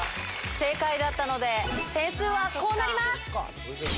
正解だったので、点数はこうなります。